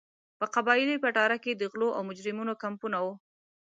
په قبایلي پټاره کې د غلو او مجرمینو کمپونه وو.